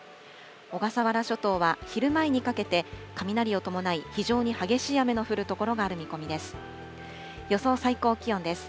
小笠原諸島は昼前にかけて雷を伴い、非常に激しい雨の降る所がある見込みです。